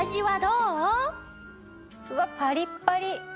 「うわっパリッパリ。